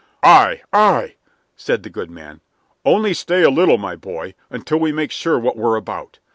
"Aye, aye," said the good man; "only stay a little, my boy, until we make sure what we're about.